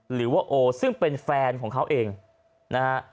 หรือว่าโอซึ่งเป็นแฟนของเขาเองนะฮะ